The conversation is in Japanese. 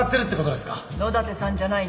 「野立さん」じゃない。